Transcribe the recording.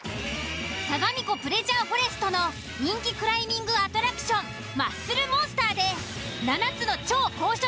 さがみ湖プレジャーフォレストの人気クライミングアトラクションマッスルモンスターで７つの超高所